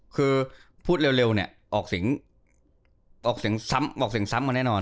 คือพูดเร็วเนี่ยออกสิงซ้ำกว่านั้นแน่นอน